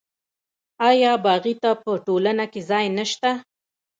آیا باغي ته په ټولنه کې ځای نشته؟